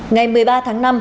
ngày một mươi ba tháng năm